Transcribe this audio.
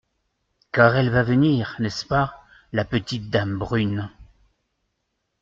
Car elle va venir, n’est-ce pas, la petite dame brune ?